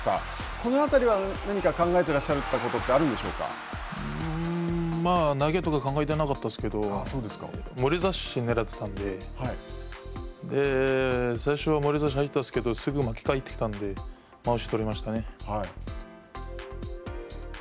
このあたりは何か考えてらっしゃったことってまあ、投げとか考えてなかったですけど、もろ差しをねらってたので最初はもろ差し入ったんですけどすぐ巻き変えてきたのでまわしを取りましたね。